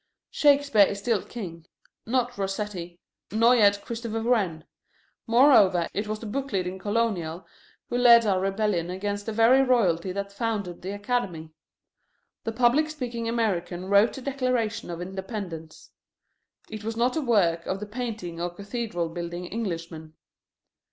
Shakespeare is still king, not Rossetti, nor yet Christopher Wren. Moreover, it was the book reading colonial who led our rebellion against the very royalty that founded the Academy. The public speaking American wrote the Declaration of Independence. It was not the work of the painting or cathedral building Englishman.